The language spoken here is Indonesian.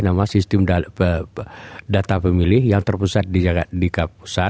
nama sistem data pemilih yang terpusat di pusat